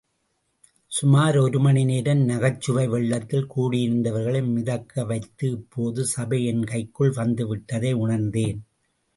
சுமார் ஒரு மணிநேரம் நகைச்சுவை வெள்ளத்தில் கூடியிருந்தவர்களை மிதக்க வைத்து இப்போது சபை என் கைக்குள் வந்துவிட்டதை உணர்ந்தேன்.